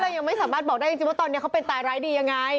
ยังไม่สามารถบอกได้จริงว่าตอนนี้เขาเป็นตายร้ายดียังไง